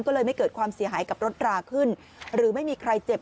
ก็เลยไม่เกิดความเสียหายกับรถราขึ้นหรือไม่มีใครเจ็บ